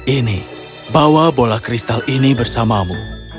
ini bawa bola kristal ini bersamamu